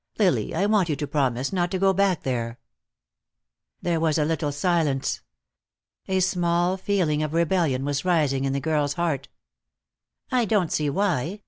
Lily, I want you to promise not to go back there." There was a little silence. A small feeling of rebellion was rising in the girl's heart. "I don't see why.